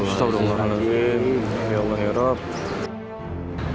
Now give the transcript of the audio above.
astagfirullahaladzim ya allah herab